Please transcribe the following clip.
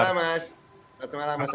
selamat malam mas